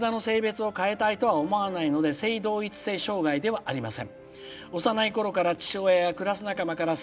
でも、体の性別を変えたいとは思わないので性同一障害ではありません。